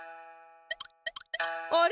あれ？